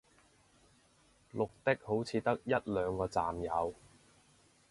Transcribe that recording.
綠的好似得一兩個站有